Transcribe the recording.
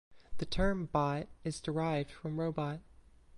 The term "bot" is derived from robot.